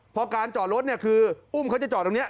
พอการจอดรถเนี่ยคืออุ้มเขาจะจอดตรงนี้